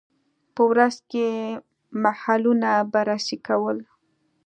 په ورځ کې یې محلونه بررسي کول.